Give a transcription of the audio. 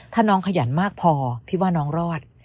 ถ้าน้องขยันมากพอพี่ว่าน้องรอด